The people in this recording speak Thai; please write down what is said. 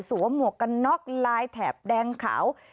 หมวกกันน็อกลายแถบแดงขาว